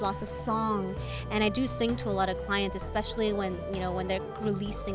dan saya menyanyikan kepada banyak klien terutama ketika mereka melepaskan